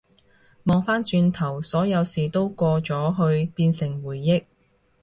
望返轉頭，所有事都過咗去變成回憶